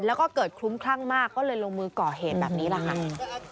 แล้วก็เกิดคลุ้มคลั่งมากก็เลยลงมือก่อเหตุแบบนี้แหละค่ะ